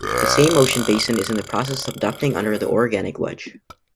The same ocean basin is in the process of subducting under the orogenic wedge.